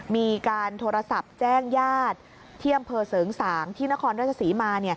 มีการโทรศัพท์แจ้งญาติที่อำเภอเสริงสางที่นครราชศรีมา